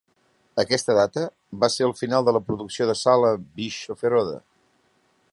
Aquesta data va ser el final de la producció de sal a Bischofferode.